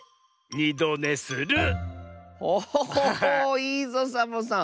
いいぞサボさん。